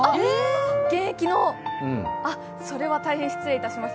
現役の、それは大変失礼しました。